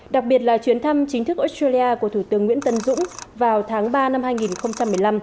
đặc biệt là chuyến thăm chính thức australia của thủ tướng nguyễn tân dũng vào tháng ba năm hai nghìn một mươi năm